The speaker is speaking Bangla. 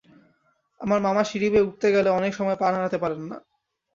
আমার মামা সিঁড়ি বেয়ে উঠতে গেলে অনেক সময় পা নাড়াতে পারেন না।